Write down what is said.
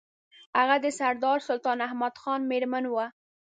هغه د سردار سلطان احمد خان مېرمن وه.